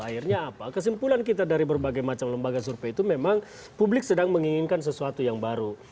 akhirnya apa kesimpulan kita dari berbagai macam lembaga survei itu memang publik sedang menginginkan sesuatu yang baru